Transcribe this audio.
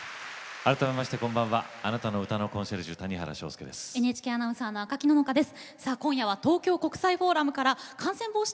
改めましてあなたの歌のコンシェルジュ谷原章介です。